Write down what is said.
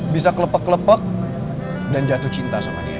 bisa kelepek kelepak dan jatuh cinta sama dia